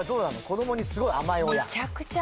子どもにすごい甘い親？